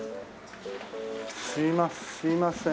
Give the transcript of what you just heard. すいません。